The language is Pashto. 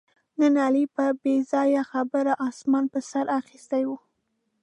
نن علي په بې ځایه خبره اسمان په سر اخیستی و